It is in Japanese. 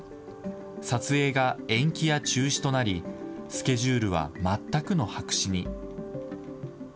撮影が延期や中止となり、スケジュールは全くの白紙に。